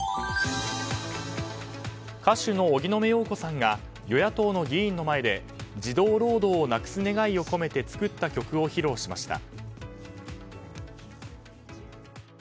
歌手の荻野目洋子さんが与野党の議員の前で児童労働をなくす願いを込めて作った曲を披露しました。